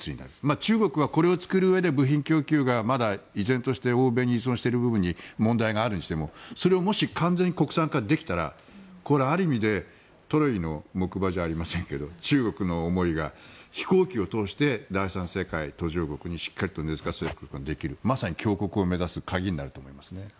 中国はこれを作るうえで部品供給がまだ依然として欧米に依存している部分に問題があるにしてもそれをもし完全に国産化できたらこれはある意味でトロイの木馬じゃありませんが中国の思いが飛行機を通して第三世界、途上国にしっかりと根付かせることができるまさに強国を目指す鍵になると思いますね。